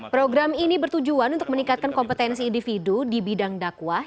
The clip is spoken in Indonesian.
program ini bertujuan untuk meningkatkan kompetensi individu di bidang dakwah